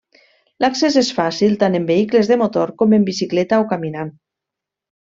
L'accés és fàcil tant en vehicles de motor com en bicicleta o caminant.